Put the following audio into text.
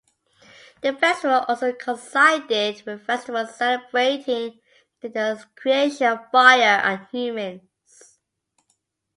The festival also coincided with festivals celebrating the creation of fire and humans.